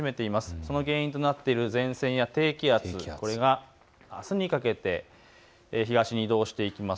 その原因となっている前線や低気圧、これがあすにかけて東に移動していきます。